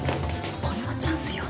これはチャンスよ。